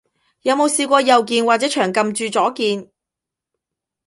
有冇試過右鍵，或者長撳住左鍵？